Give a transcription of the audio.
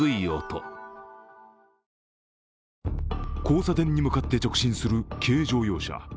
交差点に向かって直進する軽乗用車。